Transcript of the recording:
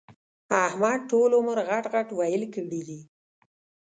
احمد ټول عمر غټ ِغټ ويل کړي دي.